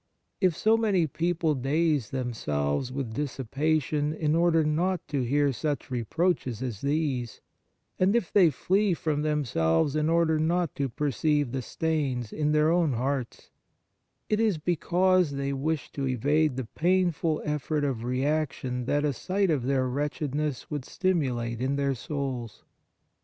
If so many people daze themselves with dissipation in order not to hear such reproaches as these, and if they flee from themselves in order not to perceive the stains in their own hearts, it is because they wish to evade the painful effort of reaction that a sight of their wretchedness would stimulate in their souls.